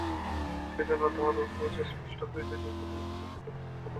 সেইজন্যে তার চেহারা স্পষ্ট বুঝতে পারি নে, এই কেবল বুঝি সেটা একটা বাধা।